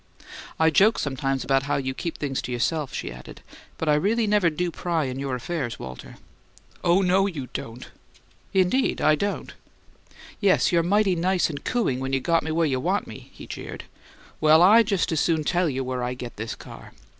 "I joke sometimes about how you keep things to yourself," she added, "but I really never do pry in your affairs, Walter." "Oh, no, you don't!" "Indeed, I don't." "Yes, you're mighty nice and cooing when you got me where you want me," he jeered. "Well, I just as soon tell you where I get this car."